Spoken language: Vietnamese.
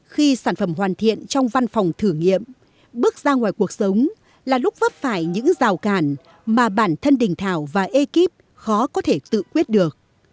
khi sản phẩm hoàn thiện trong văn phòng thử nghiệm bước ra ngoài cuộc sống là lúc vấp phải những rào cản mà bản thân đình thảo và ekip khó có thể tự quyết được